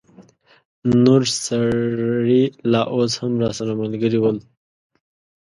نور سړي لا اوس هم راسره ملګري ول.